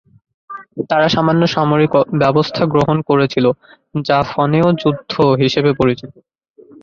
তারা সামান্য সামরিক ব্যবস্থা গ্রহণ করেছিল যা ফনেয় যুদ্ধ হিসেবে পরিচিত।